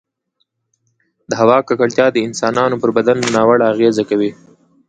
د هـوا ککـړتيـا د انسـانـانو پـر بـدن نـاوړه اغـېزه کـوي